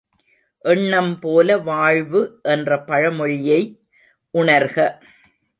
எண்ணம் போல வாழ்வு என்ற பழமொழியை உணர்க!